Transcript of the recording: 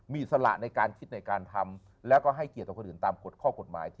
มีสละในการคิดในการทำแล้วก็ให้เกียรติกับคนอื่นตามกฎข้อกฎหมาย